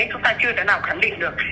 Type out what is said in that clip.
chúng ta chưa thể nào khẳng định được